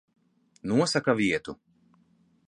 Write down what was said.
Nosaka vietu.